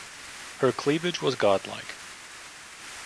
Her cleavage was godlike.